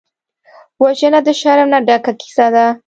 وژنه د شرم نه ډکه کیسه ده